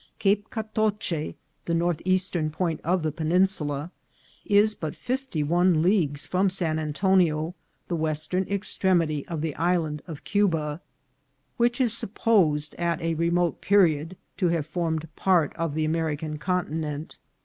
Cape Catoche, the northeastern point of the peninsula, is but fifty one leagues from San Anto nio, the western extremity of the Island of Cuba, which is supposed at a remote period to have formed part of the American Continent.